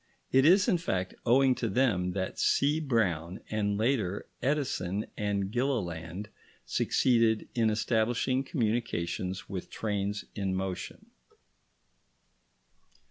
It is, in fact, owing to them that C. Brown, and later Edison and Gilliland, succeeded in establishing communications with trains in motion.